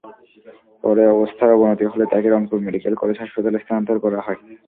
পরে অবস্থার অবনতি হলে তাঁকে রংপুর মেডিকেল কলেজ হাসপাতালে স্থানান্তর করা হয়।